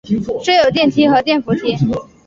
设有电梯与电扶梯。